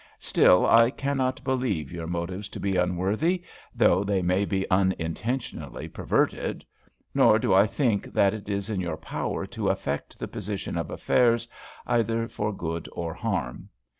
Still I cannot believe your motives to be unworthy, though they may be unintentionally perverted; nor do I think that it is in your power to affect the position of affairs either for good or harm.